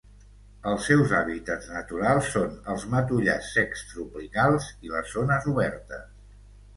Els seus hàbitats naturals són els matollars secs tropicals i les zones obertes.